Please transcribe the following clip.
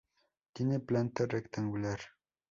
Tiene planta rectangular.